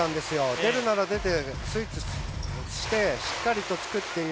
出るなら出て、スイッチしてしっかりとつくという。